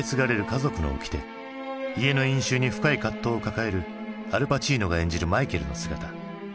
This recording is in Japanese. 家の因習に深い葛藤を抱えるアル・パチーノが演じるマイケルの姿。